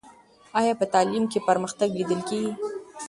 آیا په تعلیم کې پرمختګ لیدل کېږي؟